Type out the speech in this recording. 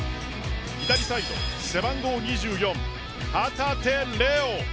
左サイド、背番号２４、旗手怜央。